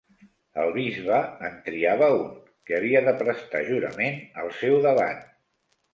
El bisbe en triava un, que havia de prestar jurament al seu davant.